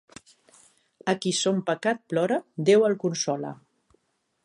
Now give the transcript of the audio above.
A qui son pecat plora, Déu el consola.